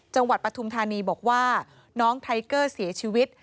ปฐุมธานีบอกว่าน้องไทเกอร์เสียชีวิต